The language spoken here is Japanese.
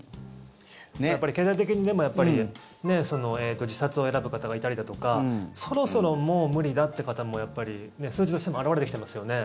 経済的に、でもやっぱり自殺を選ぶ方がいたりだとかそろそろもう無理だという方も数字としても表れてきてますよね。